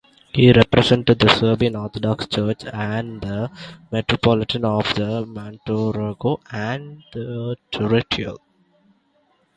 He represented the Serbian Orthodox Church and the Metropolitanate of Montenegro and the Littoral.